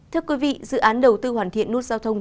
thưa quý vị dự án đầu tư hoàn thiện nút giao thông